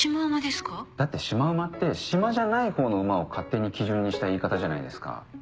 だってシマウマってシマじゃないほうの馬を勝手に基準にした言い方じゃないですか。